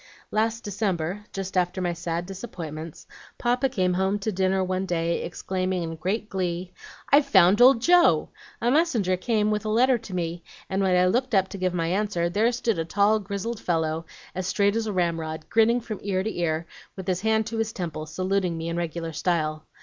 "Last December, just after my sad disappointments, Papa came home to dinner one day, exclaiming, in great glee: 'I've found old Joe! A messenger came with a letter to me, and when I looked up to give my answer, there stood a tall, grizzled fellow, as straight as a ramrod, grinning from ear to ear, with his hand to his temple, saluting me in regular style.